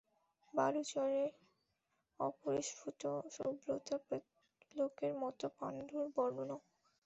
বালুচরের অপরিস্ফুট শুভ্রতা প্রেতলোকের মতো পাণ্ডুবর্ণ।